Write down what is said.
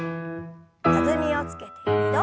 弾みをつけて２度。